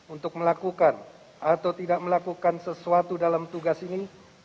untuk melakukan atau tidak melakukan sesuatu dalam tugas ini